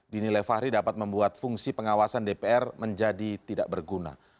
dinilai fahri dapat membuat fungsi pengawasan dpr menjadi tidak berguna